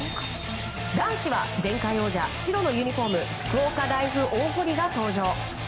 男子は前回王者、白のユニホーム福岡大付大濠が登場。